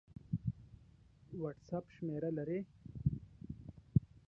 وټس اپ شمېره لرئ؟